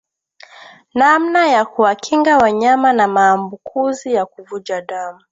Namna ya kuwakinga wanyama na maambukuzi ya kuvuja damu